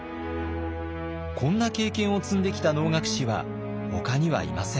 こんな経験を積んできた能楽師はほかにはいません。